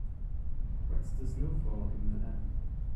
What's the snowfall in Malawi?